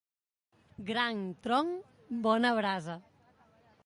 Gran tronc, bona brasa.